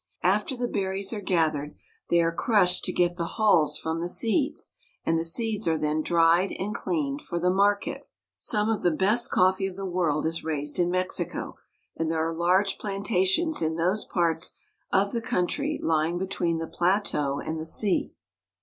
After the berries are gathered, they are THE MEXICAN PLATEAU. 333 Drying Coffee. crushed to get the hulls from the seeds, and the seeds are then dried and cleaned for the market. Some of the best coffee of the world is raised in Mexico, and there are large plantations in those parts of the country lying between the plateau and the sea.